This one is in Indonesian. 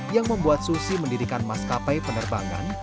yang membuat susi mendirikan maskapai penerbangan